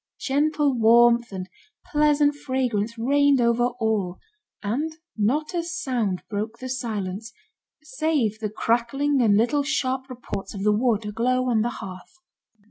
Gentle warmth and pleasant fragrance reigned over all, and not a sound broke the silence, save the crackling and little sharp reports of the wood aglow on the hearth.